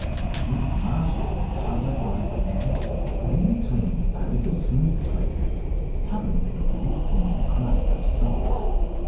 These marshes are covered by plants, but in between are little smooth places covered with a glistening crust of salt.